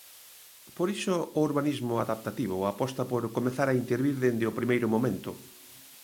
Por iso o urbanismo adaptativo aposta por comezar a intervir dende o primeiro momento.